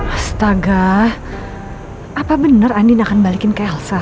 astaga apa bener andin akan balikin ke elsa ya